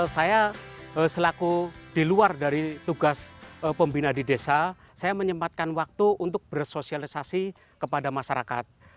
saya selaku di luar dari tugas pembina di desa saya menyempatkan waktu untuk bersosialisasi kepada masyarakat